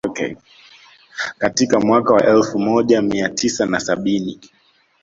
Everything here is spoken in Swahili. Katika mwaka wa elfu moj mia tisa na sabini